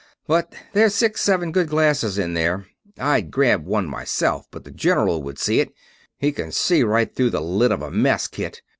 But there's six seven good glasses in there. I'd grab one myself, but the general would see it he can see right through the lid of a mess kit.